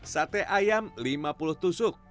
sate ayam lima puluh tusuk